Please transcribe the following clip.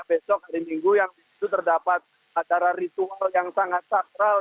besok hari minggu yang itu terdapat acara ritual yang sangat sakral